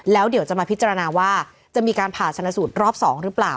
แล้วเดี๋ยวจะมาพิจารณาว่าจะมีการผ่าชนะสูตรรอบ๒หรือเปล่า